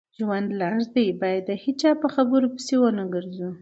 ژوند لنډ بايد هيچا خبرو پسی ونه ګرځو